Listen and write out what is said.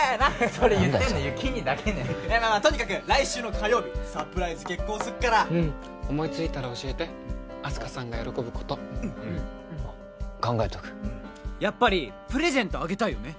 それそれ言ってんの有起兄だけねとにかく来週の火曜日サプライズ決行すっから思いついたら教えてあす花さんが喜ぶことうんあ考えとくやっぱりプレゼントあげたいよね